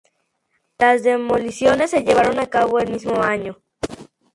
Las demoliciones se llevaron a cabo el mismo año.